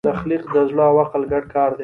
تخلیق د زړه او عقل ګډ کار دی.